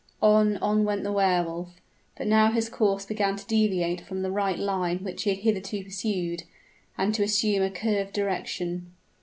On, on went the Wehr Wolf; but now his course began to deviate from the right line which he had hitherto pursued, and to assume a curved direction.